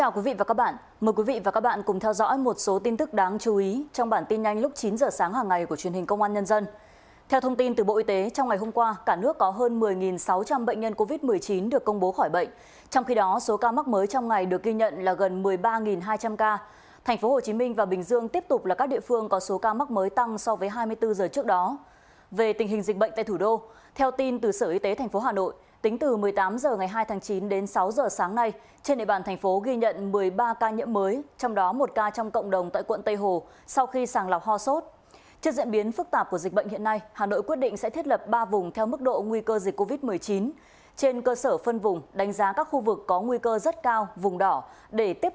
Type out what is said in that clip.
cảm ơn các bạn đã theo dõi